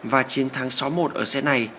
và chiến thắng sáu một ở xét này